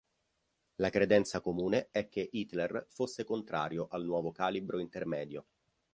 La credenza comune è che Hitler fosse contrario al nuovo calibro intermedio.